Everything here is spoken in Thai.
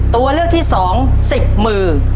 ตัวเลือกที่สองสิบมือ